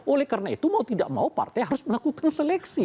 oleh karena itu mau tidak mau partai harus melakukan seleksi